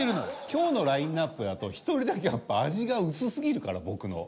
今日のラインアップだと１人だけやっぱ味が薄すぎるから僕の。